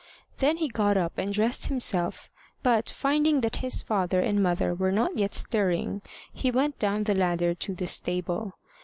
Then he got up and dressed himself, but, finding that his father and mother were not yet stirring, he went down the ladder to the stable.